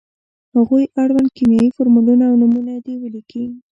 هغو اړوند کیمیاوي فورمولونه او نومونه دې ولیکي.